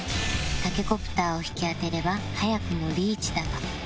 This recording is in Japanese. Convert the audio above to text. タケコプターを引き当てれば早くもリーチだが